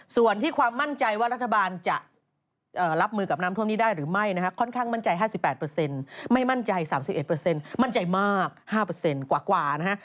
ส่วนที่ความมั่นใจว่ารัฐบาลจะรับมือกับน้ำท่วมนี้ได้หรือไม่นะฮะค่อนข้างมั่นใจ๕๘ไม่มั่นใจ๓๑มั่นใจมาก๕กว่านะฮะ